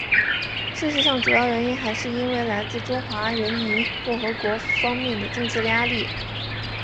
事实上主要原因还是因为来自中华人民共和国方面的政治压力。